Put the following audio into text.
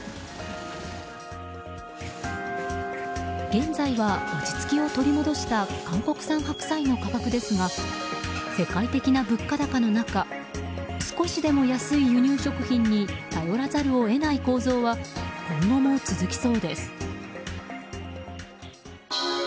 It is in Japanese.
現在は落ち着きを取り戻した韓国産白菜の価格ですが世界的な物価高の中少しでも安い輸入食品に頼らざるを得ない構造は今後も続きそうです。